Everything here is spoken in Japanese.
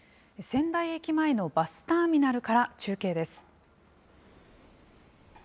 仙台駅前のバスターミナルから中継です。